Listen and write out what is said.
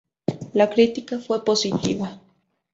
La crítica fue positiva.